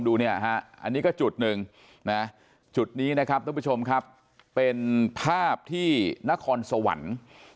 ถูกต้องอันนี้ก็จุดนึงจุดนี้เป็นภาพที่นครสวรรค์